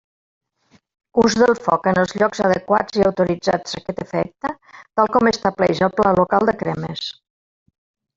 Ús del foc en els llocs adequats i autoritzats a aquest efecte, tal com estableix el Pla local de cremes.